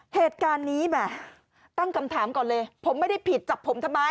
เหตุการณ์นี้แหมตั้งคำถามก่อนเลยผมไม่ได้ผิดจับผมทำไม